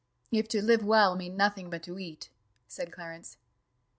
"If to live well mean nothing but to eat," said Clarence.